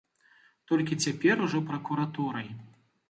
Толькі цяпер ужо пракуратурай.